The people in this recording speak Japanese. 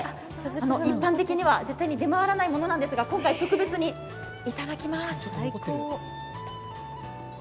一般的には絶対に出回らないものなんですが、今回特別にいただきます。